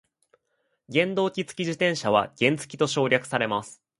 原動機付き自転車は原付と省略されます。